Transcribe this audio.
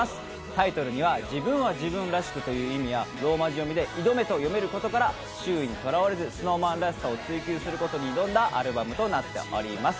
タイトルには「自分は自分らしく」という意味やローマ字読みで「挑め」と読めることから周囲にとらわれずＳｎｏｗＭａｎらしさを追求することに挑んだアルバムとなっております